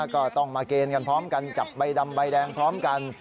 ก็ต้องมาเกณฑ์กันพร้อมกันจับใบดำใบแดงพร้อมกัน